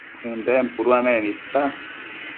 ënden puduanec nidta